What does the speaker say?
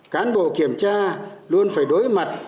cán bộ kiểm tra luôn phải đối mặt